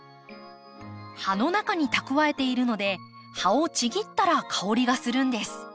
葉の中に蓄えているので葉をちぎったら香りがするんです。